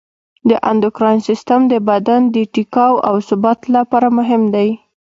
د اندوکراین سیستم د بدن د ټیکاو او ثبات لپاره مهم دی.